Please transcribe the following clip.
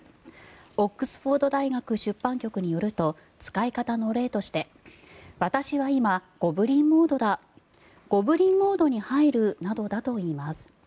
オックスフォード大学出版局によると使い方の例として私は今ゴブリン・モードだゴブリン・モードに入るなどだといいます。